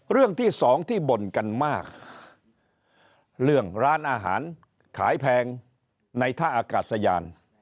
เรื่องที่สองที่บ่นกันมากเรื่องร้านอาหารขายแพงในท่าอากาศยาน